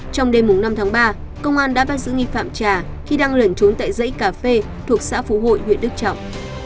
trong đêm năm tháng ba công an đã bắt giữ nghi phạm trà khi đang lẩn trốn tại dãy cà phê thuộc xã phú hội huyện đức trọng